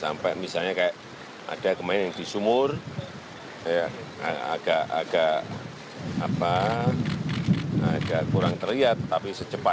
bagaimana pak tempat wisata ini akan direlokasi agak menjauh sedikit pak